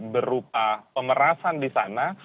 berupa pemerasan di sana